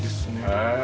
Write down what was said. へえ。